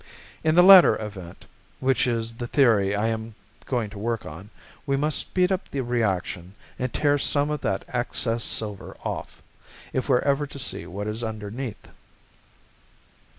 In the latter event, which is the theory I am going to work on, we must speed up the reaction and tear some of that excess silver off, if we're ever to see what is underneath."